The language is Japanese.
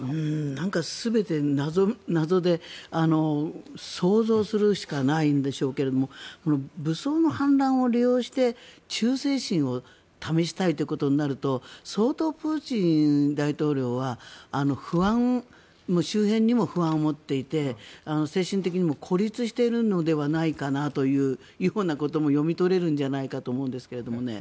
なんか全て謎で想像するしかないんでしょうけれども武装の反乱を利用して忠誠心を試したいということになると相当プーチン大統領は周辺にも不安を持っていて精神的にも孤立しているのではないかなというようなことも読み取れるんじゃないかと思うんですけどね。